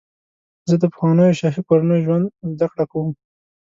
زه د پخوانیو شاهي کورنیو ژوند زدهکړه کوم.